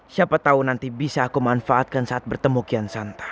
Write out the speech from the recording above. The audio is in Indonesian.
siapa tahu nanti bisa aku manfaatkan saat bertemu kian santa